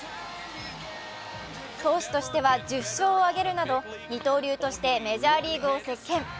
投手としては１０勝を挙げるなど二刀流としてメジャーリーグを席けん。